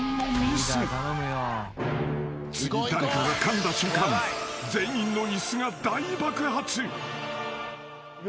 ［次誰かがかんだ瞬間全員の椅子が大爆発］